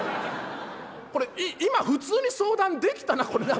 これ今普通に相談できたなこれな。